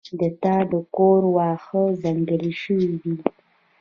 د تا د کور واښه ځنګلي شوي دي